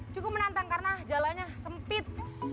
cukup menantang karena jalannya sempit